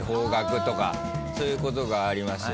そういうことがありますよね。